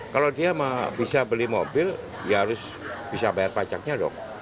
kalau dia bisa beli mobil ya harus bisa bayar pajaknya dong